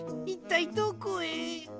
いったいどこへ？